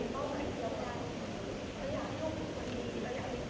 สวัสดีครับสวัสดีครับ